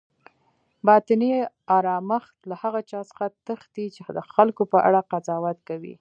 باطني آرامښت له هغه چا څخه تښتي چی د خلکو په اړه قضاوت کوي